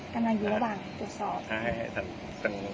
กำลังอยู่ระหว่างตรวจสอบ